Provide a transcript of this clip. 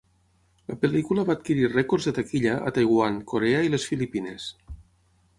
La pel·lícula va adquirir rècords de taquilla a Taiwan, Corea i les Filipines.